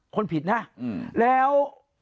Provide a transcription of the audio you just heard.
คนผิดนะแล้ว